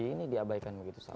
ini diabaikan begitu saja